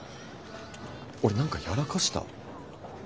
俺何かやらかした？